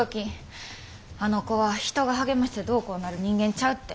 あの子は人が励ましてどうこうなる人間ちゃうって。